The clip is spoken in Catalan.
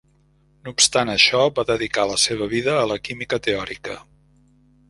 No obstant això, va dedicar la seva vida a la química teòrica.